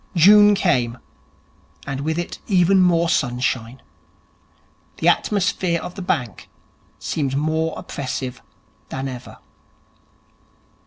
June came, and with it more sunshine. The atmosphere of the bank seemed more oppressive than ever.